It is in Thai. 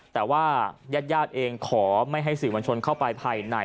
เพราะว่ายาดเองขอไม่ให้สิ่งวัญชนเข้าไปภายใน